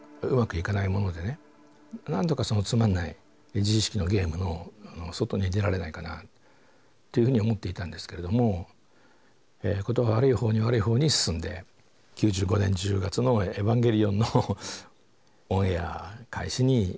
なんとかそのつまんない自意識のゲームの外に出られないかなっていうふうに思っていたんですけれども事が悪いほうに悪いほうに進んで９５年１０月の「エヴァンゲリオン」のオンエア開始に至り。